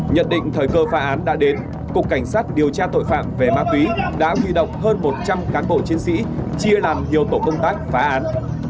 nhận định thời cơ phá án đã đến cục cảnh sát điều tra tội phạm về ma túy đã huy động hơn một trăm linh cán bộ chiến sĩ chia làm nhiều tổ công tác phá án